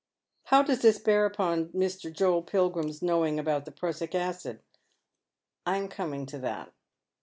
" How does this bear upon Mr. Joel Pilgrim's knowing about the prussic acid ?"" I am coming to that.